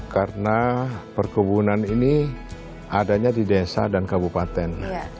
karena perkebunan ini adanya di desa dan kabupaten